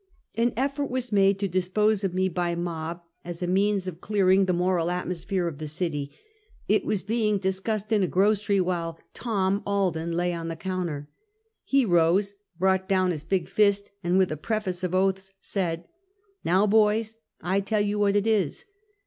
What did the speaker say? An effort was made to dispose of me by mob, as a means of clearing tbe moral atmospbere of tbe city. It was being discussed in a grocery wbile " Tom " Al den lay on tbe counter. He rose, brougbt down bis big fist, and witb a preface of oatbs, said: " 'Now, boys, I tell you wbat it is.